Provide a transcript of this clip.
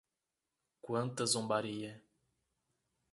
Quanta zombaria